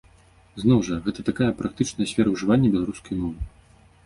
Зноў жа, гэта такая практычная сфера ўжывання беларускай мовы.